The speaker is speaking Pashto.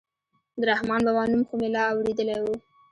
د رحمان بابا نوم خو مې لا اورېدلى و.